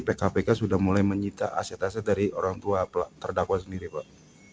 apakah sudah mulai menyita aset aset dari orang tua terdakwa sendiri pak